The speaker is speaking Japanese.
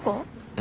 え。